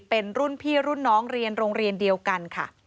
เป็นรุ่นพี่รุ่นน้องเรียนโรงเรียนเดียวกันค่ะ